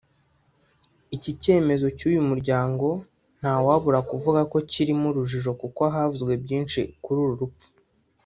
Iki cyemezo cy’uyu muryango ntawabura kuvuga ko kirimo urujijo kuko havuzwe byinshi kuri uru rupfu